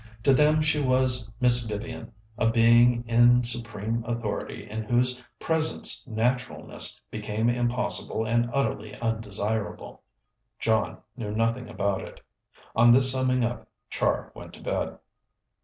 To them she was Miss Vivian, a being in supreme authority, in whose presence naturalness became impossible and utterly undesirable. John knew nothing about it. On this summing up, Char went to bed.